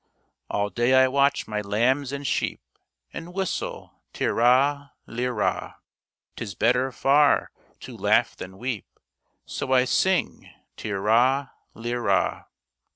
" All day I watch my lambs and sheep, And whistle tir ra, lir ra ; 'Tis better far to laugh than weep, So I sing tir ra, lir ra.